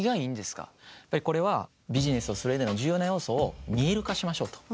これはビジネスをする上での重要な要素を見える化しましょうと。